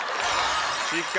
失格。